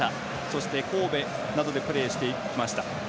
そして、神戸などでプレーしてきました。